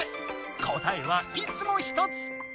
答えはいつも１つ！